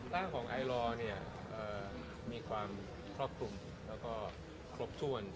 ร่างของไอลอร์เนี่ยมีความครอบคลุมแล้วก็ครบถ้วน